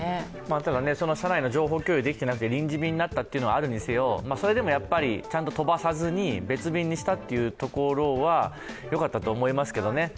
ただ、社内の情報共有ができてなくて臨時便になったということがありますがそれでもやっぱりちゃんと飛ばさずに別便にしたというところはよかったと思いますけどね。